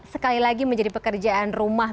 sekali lagi menjadi pekerjaan rumah